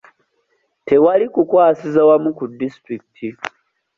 Tewali kukwasiza wamu ku disitulikiti.